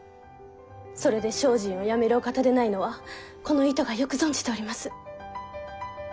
それで精進をやめるお方でないのはこの糸がよく存じております。